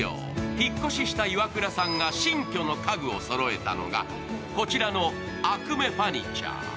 引っ越ししたイワクラさんが新居の家具をそろえたのがこちらのＡＣＭＥＦｕｒｎｉｔｕｒｅ。